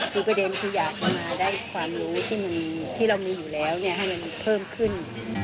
คือประเด็นคืออยากจะมาได้ความรู้ที่เรามีอยู่แล้วให้มันเพิ่มขึ้น